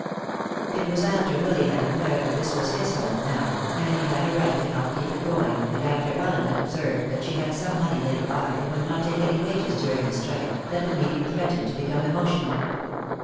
It was after Willy had declared that this was his home now, and he had a right to help keep it going, and after Ellen had observed that she had some money laid by and would not take any wages during the strike, that the meeting threatened to become emotional.